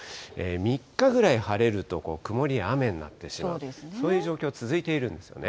３日ぐらい晴れると、曇りや雨になってしまう、そういう状況が続いているんですよね。